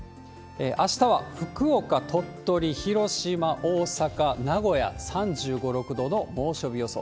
あしたは福岡、鳥取、広島、大阪、名古屋、３５、６度の猛暑日予想。